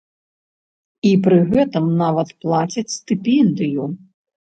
І пры гэтым нават плацяць стыпендыю.